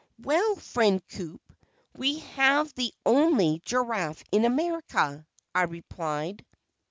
"Well, friend Coup, we have the only Giraffe in America," I replied.